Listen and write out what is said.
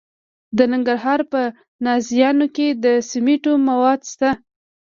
د ننګرهار په نازیانو کې د سمنټو مواد شته.